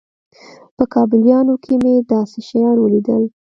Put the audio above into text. په کابليانو کښې مې داسې شيان وليدل.